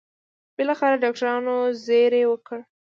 بالاخره ډاکټرانو زېری وکړ.